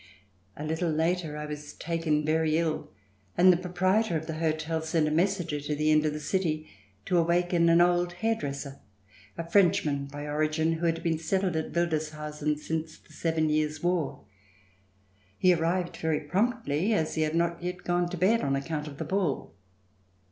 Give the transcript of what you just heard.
A httle later I was taken very ill and the proprie tor of the hotel sent a messenger to the end of the city to awaken an old hairdresser, a Frenchman by origin, who had been settled at Wildeshausen since the Seven Years' War. He arrived very promptly as he had not yet gone to bed on account of the ball.